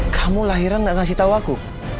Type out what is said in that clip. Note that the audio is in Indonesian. kamu lahiran gak ngasih tahu aku